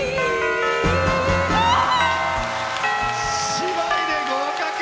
姉妹で合格！